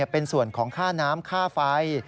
เป็นส่วนของค่าน้ำค่าไฟ